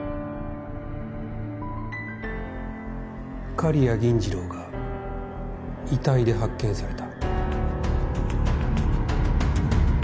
刈谷銀次郎が遺体で発見された。